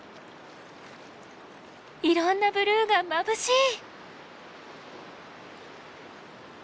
いろんなブルーがまぶしい！